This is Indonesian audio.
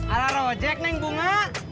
ada rawat jak neng bunga